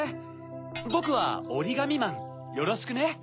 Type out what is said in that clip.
ボクはおりがみまんよろしくね！